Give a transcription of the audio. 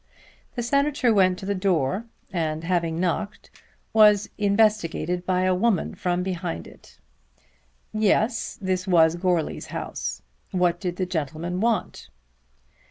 The Senator went to the door, and having knocked, was investigated by a woman from behind it. Yes, this was Goarly's house. What did the gentleman want?